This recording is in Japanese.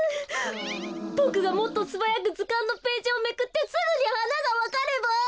ボクがもっとすばやくずかんのページをめくってすぐにはながわかれば。